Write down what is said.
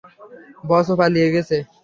বস, ও পালিয়ে গেছে।